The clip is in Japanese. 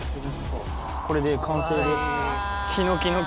これで完成です。